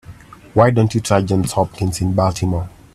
Why don't you try Johns Hopkins in Baltimore?